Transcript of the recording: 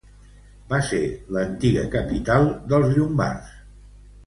Va ser l'antiga capital dels llombards.